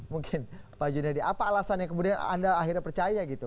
mungkin pak junedi apa alasannya kemudian anda akhirnya percaya gitu